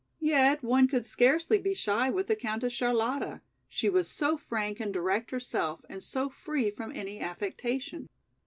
Yet one could scarcely be shy with the Countess Charlotta, she was so frank and direct herself and so free from any affectation.